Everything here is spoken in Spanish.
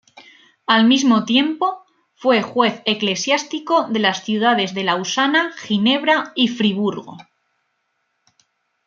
Al mismo tiempo fue Juez Eclesiástico de las ciudades de Lausana, Ginebra y Friburgo.